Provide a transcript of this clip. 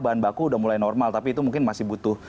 bahan baku udah mulai normal tapi itu mungkin masih butuh